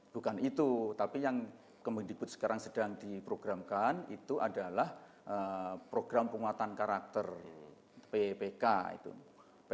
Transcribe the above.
bukan itu tapi yang kemendikbud sekarang sedang diprogramkan itu adalah program penguatan karakter ppk itu